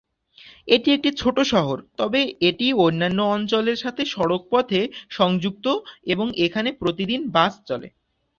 এটি একটি ছোট শহর, তবে এটি অন্যান্য অঞ্চলের সাথে সড়কপথে সংযুক্ত এবং এখানে প্রতিদিন বাস চলে।